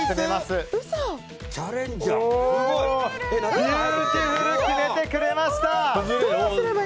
ビューティフル！決めてくれました！